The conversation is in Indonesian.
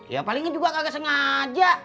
ya palingnya juga agak sengaja